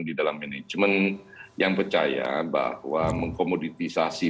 di dalam manajemen yang percaya bahwa mengkomoditisasi